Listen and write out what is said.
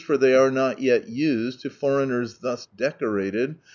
For Ihcy are not yet used To foreigners thus decoraled.